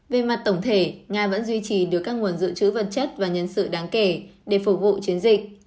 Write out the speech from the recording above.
về mặt tổng thể nga vẫn duy trì được các nguồn dự trữ vật chất và nhân sự đáng kể để phục vụ chiến dịch